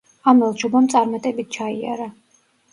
ამ ელჩობამ წარმატებით ჩაიარა.